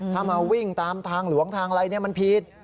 ถ้ามาวิ่งตามทางหลวงทางอะไรมันผิด